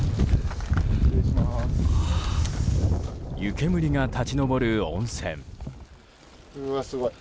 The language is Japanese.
湯けむりが立ち上る温泉。